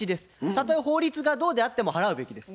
たとえ法律がどうであっても払うべきです。